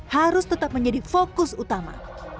harus tetap menjadi fokus utama